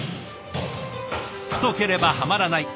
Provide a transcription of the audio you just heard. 太ければはまらない。